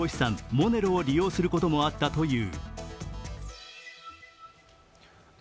モネロを利用することもあったという。